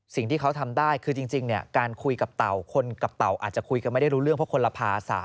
สิ่งที่เขาทำได้คือจริงการคุยกับเต่าคนกับเต่าอาจจะคุยกันไม่ได้รู้เรื่องเพราะคนละภาษา